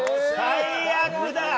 最悪だ。